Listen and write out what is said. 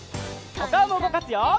おかおもうごかすよ！